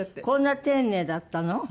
こんな丁寧だったの？